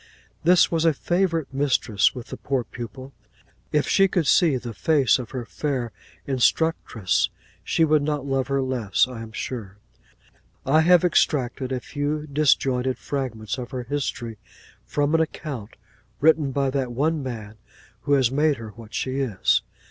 This was a favourite mistress with the poor pupil. If she could see the face of her fair instructress, she would not love her less, I am sure. I have extracted a few disjointed fragments of her history, from an account, written by that one man who has made her what she is.